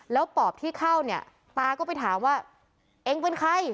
แล้วปอบที่เข้าเนี่ยตาก็ไปถามว่าเองเป็นใคร